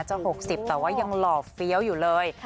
เจ้า๖๐แต่ว่ายังหล่อฟื้น